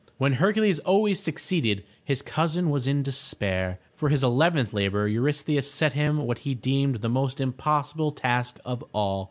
When Hercules always succeeded, his cousin was in despair. For his eleventh labor, Eurystheus set him what he deemed the most impossible task of all.